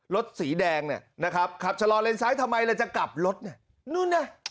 รถสีแดงเนี่ยนะครับขับชะลอเลนซ้ายทำไมเลยจะกลับรถเนี่ยนู่นน่ะ